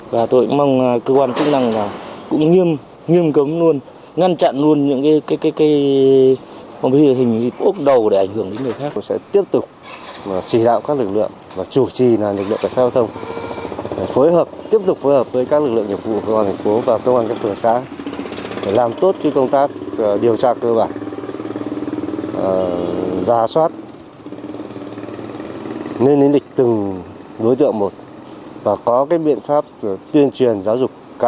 và tôi cũng mong cơ quan chức năng là cũng nghiêm cấm luôn ngăn chặn luôn những cái hình ốp đầu